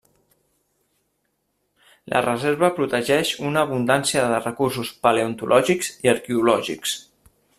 La reserva protegeix una abundància de recursos paleontològics i arqueològics.